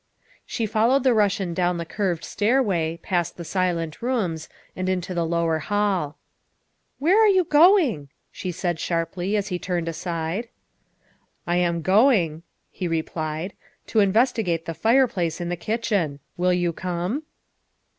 She followed the Russian down the curved stairway, past the silent rooms, and into the lower hall. 304 THE WIFE OF " Where are you going?" she said sharply as he turned aside. " I am going," he replied, " to investigate the fire place in the kitchen. Will you come?"